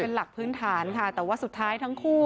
เป็นหลักพื้นฐานค่ะแต่ว่าสุดท้ายทั้งคู่